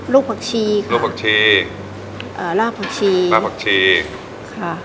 ลูกผักชีลูกผักชีอ่าราฟผักชีราฟผักชีอ่า